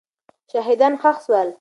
شهیدان ښخ سول.